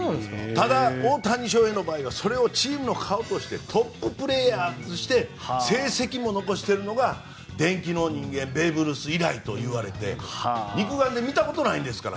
大谷翔平はチームの顔としてトッププレーヤーとして成績も残してるのが伝記の人間ベーブ・ルース以来といわれて肉眼で見たことないんですから。